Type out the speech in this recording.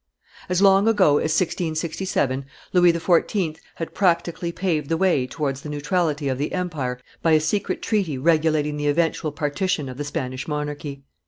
As long ago as 1667 Louis XIV. had practically paved the way towards the neutrality of the empire by a secret treaty regulating the eventual partition of the Spanish, monarchy.